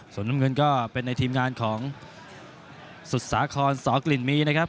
ส่วนน้ำเงินก็เป็นในทีมงานของสุสาครสอกลิ่นมีนะครับ